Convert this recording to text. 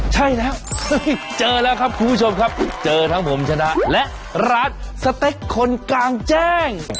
ใช่แล้วเจอแล้วครับคุณผู้ชมครับเจอทั้งผมชนะและร้านสเต็กคนกลางแจ้ง